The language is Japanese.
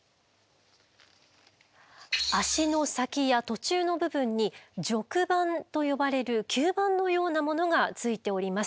足の先や途中の部分に褥盤と呼ばれる吸盤のようなものがついております。